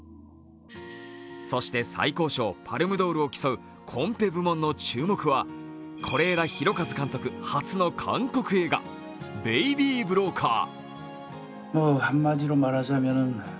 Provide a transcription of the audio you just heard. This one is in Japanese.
そして最高賞パルムドールを競うコンペ部門の注目は是枝裕和監督発表の韓国映画「ベイビー・ブローカー」